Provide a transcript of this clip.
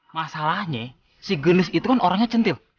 masalahnya si genis itu kan orangnya centil